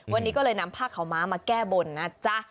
วันนี้ก็เลยนำผ้าขาวม้ามาแก้บนนะจ๊ะ